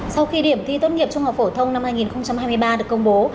sau khi điểm thi tốt nghiệp trung học phổ thông năm hai nghìn hai mươi ba được công bố